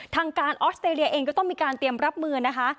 ทางการออสเตรเลียเองก็ต้องมีการเตรียมรับมือนะคะ